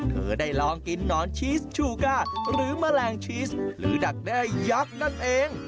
เธอได้ลองกินหนอนชีสชูก้าหรือแมลงชีสหรือดักแด้ยักษ์นั่นเอง